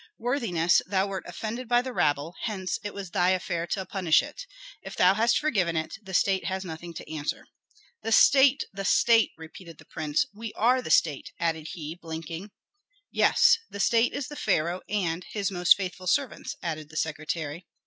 Worthiness, thou wert offended by the rabble; hence it was thy affair to punish it. If thou hast forgiven it, the state has nothing to answer." "The state! the state!" repeated the prince. "We are the state," added he, blinking. "Yes, the state is the pharaoh and his most faithful servants," added the secretary.